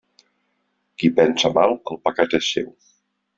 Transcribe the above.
Qui pensa mal, el pecat és seu.